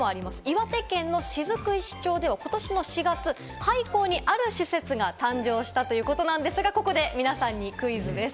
岩手県の雫石町では、ことし４月、廃校にある施設が誕生したということなんですが、ここで皆さんにクイズです。